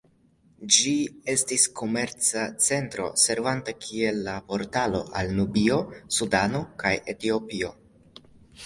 Ĝi estis komerca centro, servanta kiel la portalo al Nubio, Sudano kaj Etiopio.